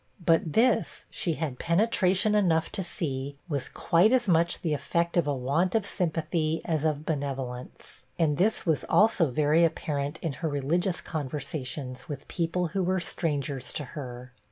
But this, she had penetration enough to see, was quite as much the effect of a want of sympathy as of benevolence; and this was also very apparent in her religious conversations with people who were strangers to her.